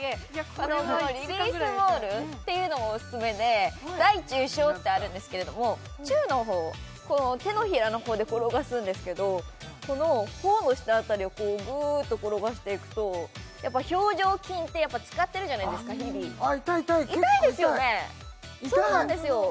このリリースボールっていうのもおすすめで大・中・小ってあるんですけれども中のほう手のひらのほうで転がすんですけどこの頬の下辺りをこうグーっと転がしていくとやっぱ表情筋って使ってるじゃないですか日々痛い痛い結構痛い痛いですよね痛いそうなんですよ